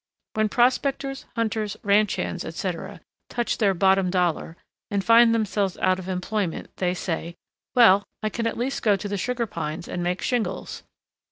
When prospectors, hunters, ranch hands, etc., touch their "bottom dollar" and find themselves out of employment, they say, "Well, I can at least go to the Sugar Pines and make shingles."